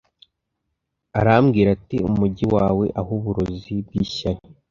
Arambwira ati Umujyi wawe aho uburozi bw'ishyari